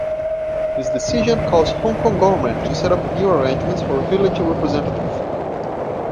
This decision caused Hong Kong Government to set up new arrangements for Village Representative.